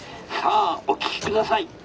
さあお聴きください。